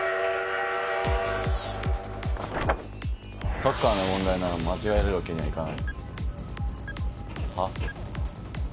サッカーの問題なら間違えるわけにはいかない。